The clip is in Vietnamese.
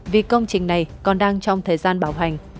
vì công trình này còn đang trong thời gian bảo hành